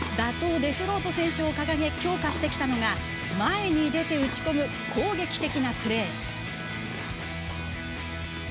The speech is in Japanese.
デフロート選手を掲げ強化してきたのが前に出て打ち込む攻撃的なプレー。